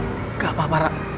gak apa apa rara